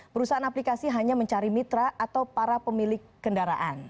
perusahaan aplikasi hanya mencari mitra atau para pemilik kendaraan